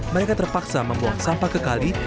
mereka terpaksa membuang sampah ke kali